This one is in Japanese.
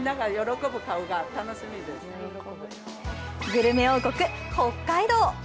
グルメ王国・北海道。